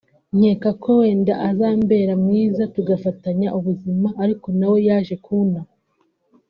nkeka ko wenda azambera mwiza tugafatanya ubuzima ariko nawe yaje kunta